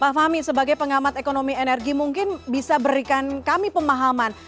pak fahmi sebagai pengamat ekonomi energi mungkin bisa berikan kami pemahaman